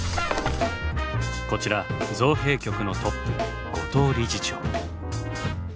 こちら造幣局のトップ後藤理事長。